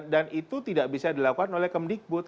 dan itu tidak bisa dilakukan oleh kemdikbud